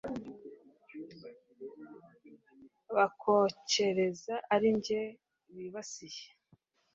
bakokereza ari jye bibasiye